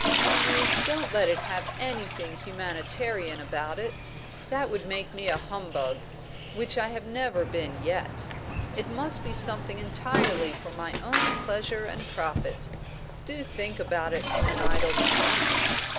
Only don't let it have anything humanitarian about it. That would make me a humbug, which I have never been yet. It must be something entirely for my own pleasure and profit. Do think about it in an idle moment."